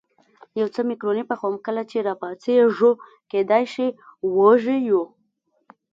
یو څه مکروني پخوم، کله چې را پاڅېږو کېدای شي وږي یو.